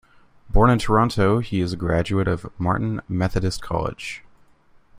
Born in Toronto, he is a graduate of Martin Methodist College.